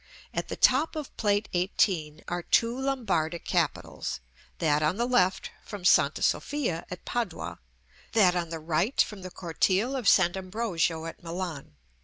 At the top of Plate XVIII. are two Lombardic capitals; that on the left from Sta. Sofia at Padua, that on the right from the cortile of St. Ambrogio at Milan.